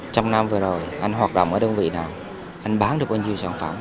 trăm năm vừa rồi anh hoạt động ở đơn vị nào anh bán được bao nhiêu sản phẩm